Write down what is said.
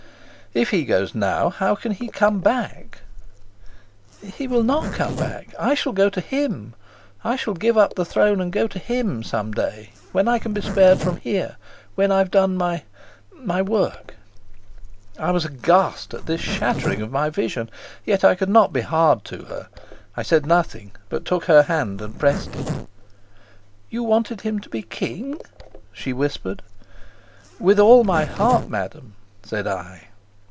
"If he goes now, how can he come back?" "He will not come back; I shall go to him. I shall give up the throne and go to him, some day, when I can be spared from here, when I've done my my work." I was aghast at this shattering of my vision, yet I could not be hard to her. I said nothing, but took her hand and pressed it. "You wanted him to be king?" she whispered. "With all my heart, madam," said I.